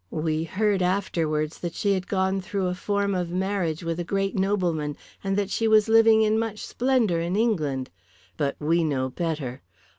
"We heard afterwards that she had gone through a form of marriage with a great nobleman, and that she was living in much splendour in England. But we know better.